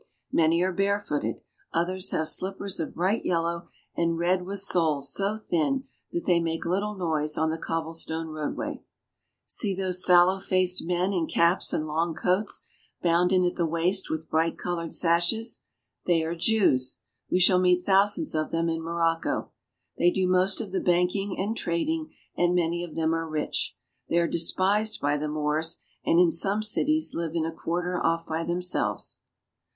Many are barefooted ; others have slippers of bright yellow and red with soles so thin that they make little noise on the cobble stone roadway. See those sallow faced men in caps and long coats bound in at the waist with bright colored sashes. They are Jews. We shall meet thousands of them in Morocco. They do most of the banking and trading, and many of them are rich. They are despised by the Moors and, in some cities, live in a quarter off by themselves.